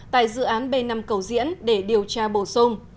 tại dự án b năm cầu diễn để điều tra bổ sung